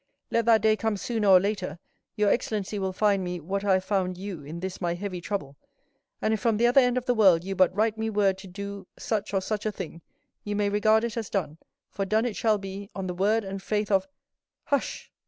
"Let that day come sooner or later, your excellency will find me what I have found you in this my heavy trouble; and if from the other end of the world you but write me word to do such or such a thing, you may regard it as done, for done it shall be, on the word and faith of——" "Hush!"